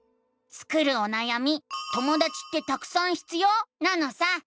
スクるおなやみ「ともだちってたくさん必要？」なのさ！